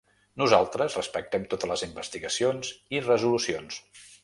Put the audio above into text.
Nosaltres respectem totes les investigacions i resolucions.